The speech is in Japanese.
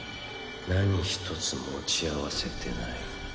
何一つ持ち合わせてない。